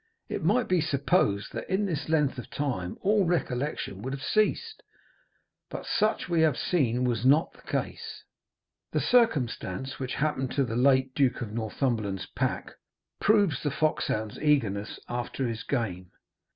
It might be supposed that in this length of time all recollection would have ceased, but such we have seen was not the case. The circumstance which happened to the late Duke of Northumberland's pack proves the foxhound's eagerness after his game.